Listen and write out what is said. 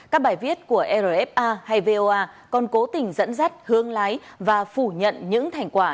các bài viết của rfa hay voa còn cố tình dẫn dắt hương lái và phủ nhận những thành quả